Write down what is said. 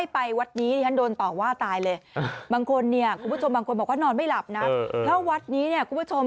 ปิดท้ายค่ะคุณผู้ชม